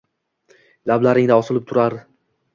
lablaringda osilib turar